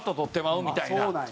うみたいな。